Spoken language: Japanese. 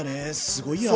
すごいや！